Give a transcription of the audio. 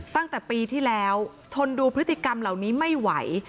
ตั้งแต่ปีที่แล้วทนดูพฤติกรรมเหล่านี้ไม่ไหว